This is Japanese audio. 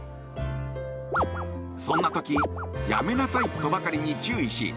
そんな時やめなさいとばかりに注意し